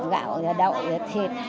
gạo đậu thịt